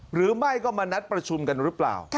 หรือไม่ก็มานัดประชุมกันหรือเปล่า